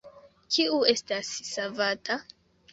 Kiu estas savata?